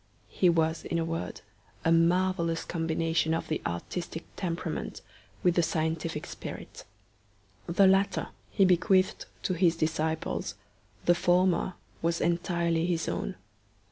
He was, in a word, a marvellous combination of the artistic temperament with the scientific spirit. The latter he bequeathed to his disciples; the former was entirely his own.